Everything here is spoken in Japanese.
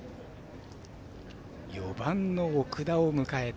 ４番の奥田を迎えて。